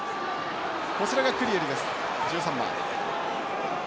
こちらがクリエルです１３番。